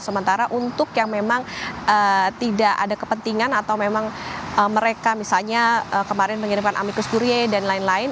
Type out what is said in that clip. sementara untuk yang memang tidak ada kepentingan atau memang mereka misalnya kemarin mengirimkan amicus kurie dan lain lain